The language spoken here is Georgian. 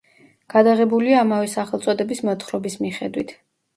გადაღებულია ამავე სახელწოდების მოთხრობის მიხედვით.